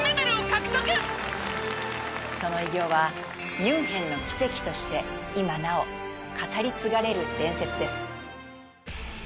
その偉業は「ミュンヘンの奇跡」として今なお語り継がれる伝説です。